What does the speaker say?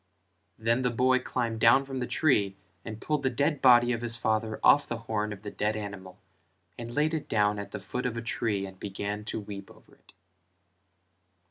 Then the boy climbed down from the tree and pulled the dead body of his father off the horn of the dead animal and laid it down at the foot of a tree and began to weep over it.